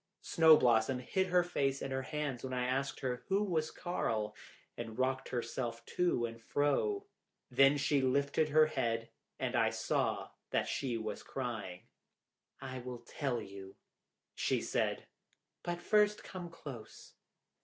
Snow blossom hid her face in her hands when I asked her who was Karl, and rocked herself to and fro; then she lifted her head and looked at me, and I saw that she was crying. "I will tell you," she said, "but first come close.